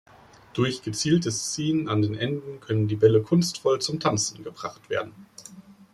Durch gezieltes Ziehen an den Enden können die Bälle kunstvoll zum "Tanzen" gebracht werden.